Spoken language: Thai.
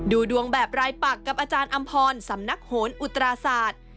ดูดวงแบบรายปักกับอาจารย์อำพรสำนักโหนอุตราศาสตร์